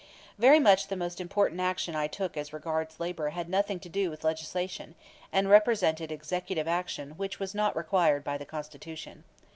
Very much the most important action I took as regards labor had nothing to do with legislation, and represented executive action which was not required by the Constitution.